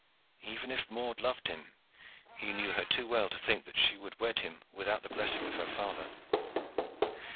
Even if Maude loved him, he knew her too well to think that she would wed him without the blessing of her father.